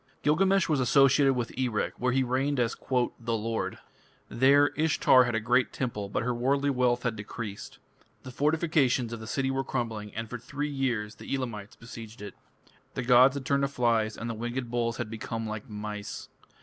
Gilgamesh was associated with Erech, where he reigned as "the lord". There Ishtar had a great temple, but her worldly wealth had decreased. The fortifications of the city were crumbling, and for three years the Elamites besieged it. The gods had turned to flies and the winged bulls had become like mice.